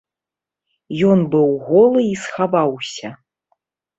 Ён быў голы і схаваўся.